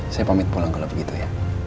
saya pamit pulang kalau begitu ya